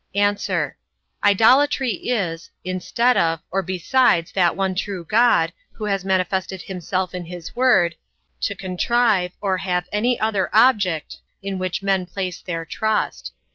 A. Idolatry is, instead of, or besides that one true God, who has manifested himself in his word, to contrive, or have any other object, in which men place their trust.